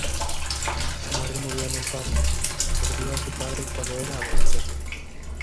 Su madre murió en el parto y perdió a su padre cuando era adolescente.